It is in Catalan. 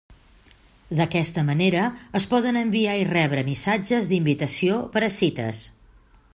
D'aquesta manera es poden enviar i rebre missatges d'invitació per a cites.